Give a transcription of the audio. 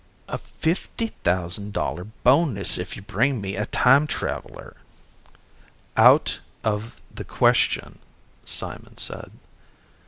"A fifty thousand dollar bonus if you bring me a time traveler." "Out of the question," Simon said.